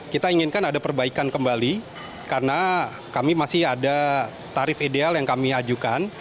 kita inginkan ada perbaikan kembali karena kami masih ada tarif ideal yang kami ajukan